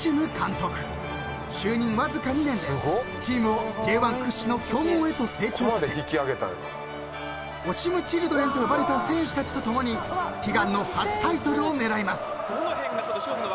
［就任わずか２年でチームをＪ１屈指の強豪へと成長させオシムチルドレンと呼ばれた選手たちと共に悲願の初タイトルを狙います］